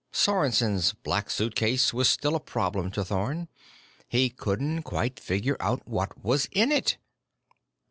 Sorensen's Black Suitcase was still a problem to Thorn. He couldn't quite figure out what was in it.